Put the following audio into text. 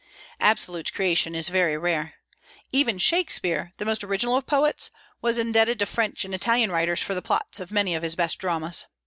Absolute creation is very rare. Even Shakspeare, the most original of poets, was indebted to French and Italian writers for the plots of many of his best dramas.